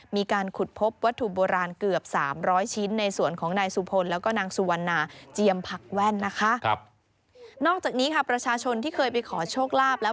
พักแว่นนะคะครับนอกจากนี้ค่ะประชาชนที่เคยไปขอโชคลาภแล้ว